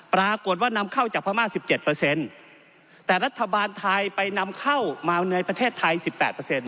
ปรากฏว่านำเข้าจากพม่าสิบเจ็ดเปอร์เซ็นต์แต่รัฐบาลไทยไปนำเข้ามาในประเทศไทยสิบแปดเปอร์เซ็นต